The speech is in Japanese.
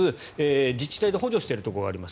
自治体で補助しているところがあります。